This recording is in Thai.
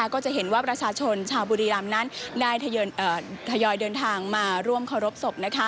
ก็จะเห็นว่าประชาชนชาวบุรีรำนั้นได้ทยอยเดินทางมาร่วมเคารพศพ